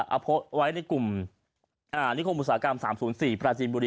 เอาโพสต์ไว้ในกลุ่มนิคมอุตสาหกรรม๓๐๔ปราจีนบุรี